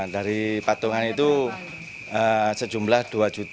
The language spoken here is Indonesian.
dari patungan itu sejumlah dua tujuh ratus